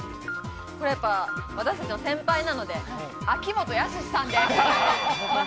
私たちの先輩なので、秋元康さんです。